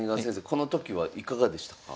この時はいかがでしたか？